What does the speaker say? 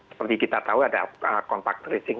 seperti kita tahu ada kontak tracing